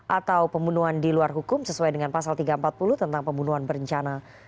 atau pembunuhan di luar hukum sesuai dengan pasal tiga ratus empat puluh tentang pembunuhan berencana